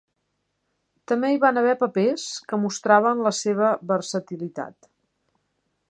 També hi van haver papers que mostraven la seva versatilitat.